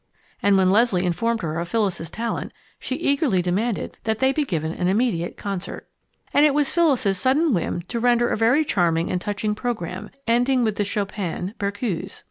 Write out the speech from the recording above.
And when Leslie had informed her of Phyllis's talent she eagerly demanded that they be given an immediate concert. And it was Phyllis's sudden whim to render a very charming and touching program, ending with the Chopin "Berceuse."